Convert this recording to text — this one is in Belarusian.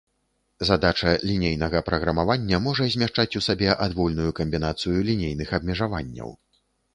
Задача лінейнага праграмавання можа змяшчаць у сабе адвольную камбінацыю лінейных абмежаванняў.